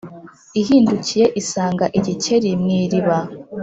ihindukiye isanga igikeri mu iriba